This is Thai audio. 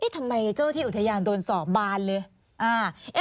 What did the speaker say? ทำไมเจ้าที่อุทยานโดนสอบบานเลย